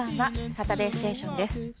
「サタデーステーション」です。